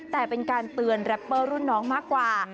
แต่เป็นการเตือนแรปเปอร์รุ่นน้องมากกว่า